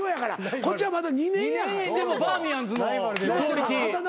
２年でもバーミヤンズのクオリティー。